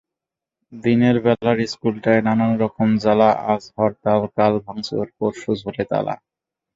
দিনের বেলার ইশকুলটায় নানান রকম জ্বালাআজ হরতাল, কাল ভাঙচুর, পরশু ঝোলে তালা।